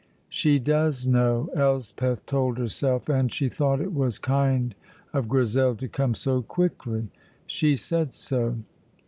"She does know," Elspeth told herself, and she thought it was kind of Grizel to come so quickly. She said so.